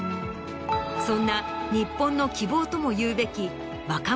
そんな日本の希望ともいうべき。